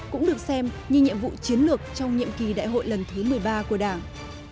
cũng được xem như nhiệm vụ chiến lược trong nhiệm kỳ đại hội lần thứ một mươi ba của đảng